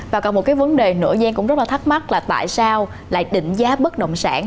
và còn một cái vấn đề nổi gian cũng rất là thắc mắc là tại sao lại định giá bất động sản